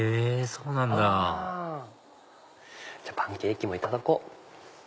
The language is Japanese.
そうなんだじゃあパンケーキもいただこう。